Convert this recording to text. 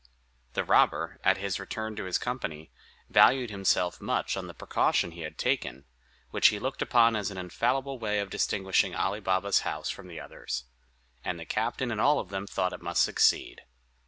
The robber, at his return to his company, valued himself much on the precaution he had taken, which he looked upon as an infallible way of distinguishing Ali Baba's house from the others; and the captain and all of them thought it must succeed.